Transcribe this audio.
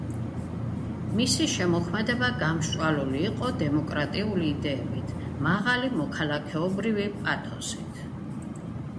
მისი შემოქმედება გამსჭვალული იყო დემოკრატიული იდეებით, მაღალი მოქალაქეობრივი პათოსით.